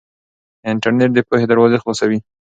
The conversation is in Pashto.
انټرنيټ د پوهې دروازې خلاصوي.